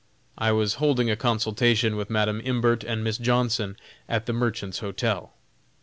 I was holding a consultation with Madam Imbert and Miss Johnson, at the Merchants' Hotel.